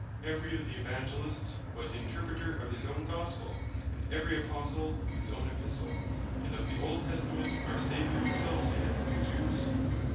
Every of the Evangelists was Interpreter of his own Gospel; and every Apostle of his own Epistle; And of the Old Testament, our Saviour himselfe saith to the Jews (John 5.